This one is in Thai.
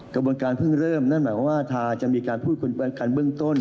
กระบวนการเพิ่งเริ่มนั่นหมายความว่าทาจะมีการพูดคุยกันเบื้องต้น